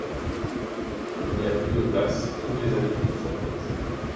Il n’y a plus de place, toutes les habitudes sont prises.